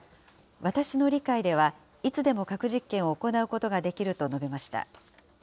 私の理解では、いつでも核実験を行うことができると述べました。